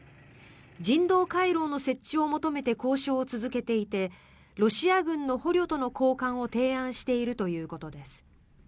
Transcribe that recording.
人道回廊の設置を求めて交渉を続けていてロシア軍の捕虜との交換を提案しているということです。